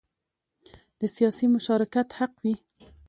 د سیاسي مشارکت حق وي.